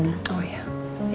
mungkin masih mandi sama mirna